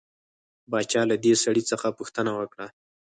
باچا له دې سړي څخه پوښتنه وکړه.